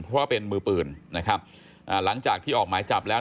เพราะว่าเป็นมือปืนนะครับอ่าหลังจากที่ออกหมายจับแล้ว